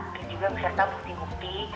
dan juga beserta bukti bukti